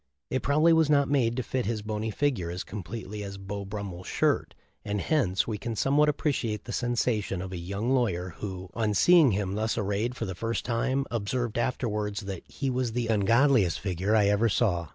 It probably was not made to fit his bony figure as completely as Beau Brummel's shirt, and hence we can somewhat appreciate the sensation of a young lawyer who, on seeing him thus arrayed for the first time, observed afterwards that, "He was the ungodliest figure I ever saw."